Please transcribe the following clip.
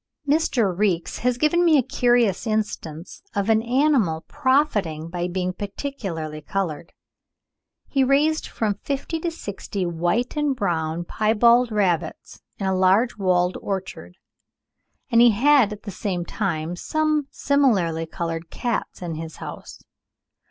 Mr. Reeks has given me a curious instance of an animal profiting by being peculiarly coloured. He raised from fifty to sixty white and brown piebald rabbits in a large walled orchard; and he had at the same time some similarly coloured cats in his house.